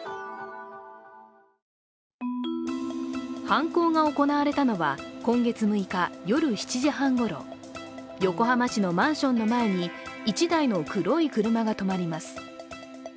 犯行が行われたのは今月６日夜７時半ごろ横浜市のマンションの前に１台の黒い車が止まります。